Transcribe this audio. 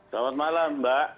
selamat malam mbak